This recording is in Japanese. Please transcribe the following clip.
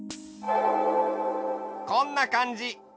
こんなかんじ。